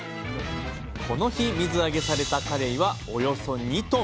この日水揚げされたカレイはおよそ２ｔ！